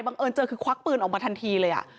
เอิญเจอคือควักปืนออกมาทันทีเลย